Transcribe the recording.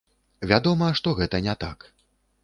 Вядома, што гэта не так.